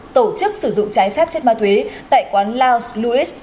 tổ chức sử dụng trái phép chất ma túy tại quán lào louis